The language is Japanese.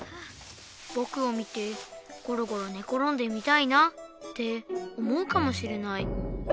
ぼくを見てゴロゴロねころんでみたいなって思うかもしれない。